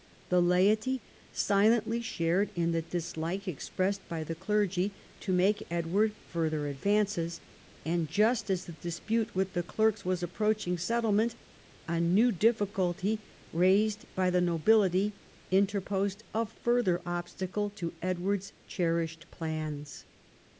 The laity silently shared in the dislike ex pressed by the clergy to make Edward further advances ; and, just as the dispute with the clerks was approach ing settlement, a new difficulty raised by the nobility interposed a further obstacle to Edward's cherished plans.